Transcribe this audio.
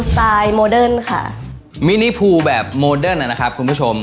ไตล์โมเดิร์นค่ะมินิพูแบบโมเดิร์นนะครับคุณผู้ชม